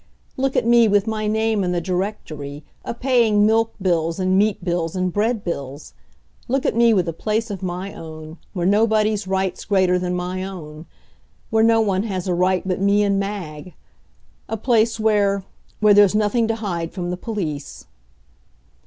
Look at me, with my name in the directory, a paying milk bills and meat bills and bread bills! Look at me with a place of my own, where nobody's right's greater than my own; where no one has a right but me and Mag; a place where where there's nothing to hide from the police!"